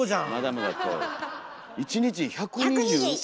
１日１２０？